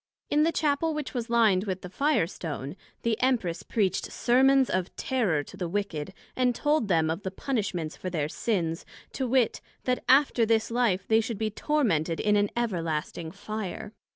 In the Chappel which was lined with the Fire stone, the Empress preached Sermons of Terror to the wicked, and told them of the punishments for their sins, to wit, That after this life they should be tormented in an everlasting Fire.